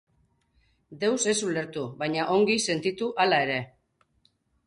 Deus ez ulertu, baina ongi sentitu hala ere.